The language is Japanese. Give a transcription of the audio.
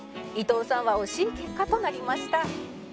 伊藤さんは惜しい結果となりました